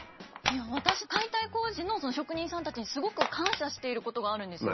私解体工事の職人さんたちにすごく感謝していることがあるんですよ。